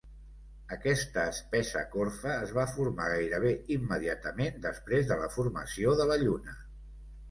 Aquesta espessa corfa es va formar gairebé immediatament després de la formació de la Lluna.